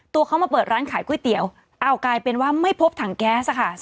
ตัวเขามาเปิดร้านขายก๋วยเตี๋ยวอ้าวกลายเป็นว่าไม่พบถังแก๊สค่ะ